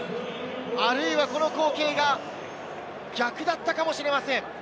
あるいはこの光景が逆だったかもしれません。